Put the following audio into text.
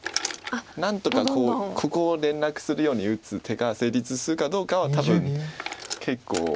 何とかここを連絡するように打つ手が成立するかどうかは多分結構。